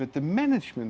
ada di mana mana